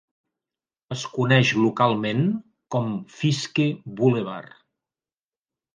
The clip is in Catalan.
Es coneix localment com Fiske Boulevard.